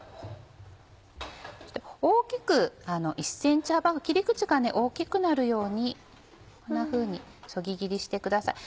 大きく１ｃｍ幅切り口が大きくなるようにこんなふうにそぎ切りしてください。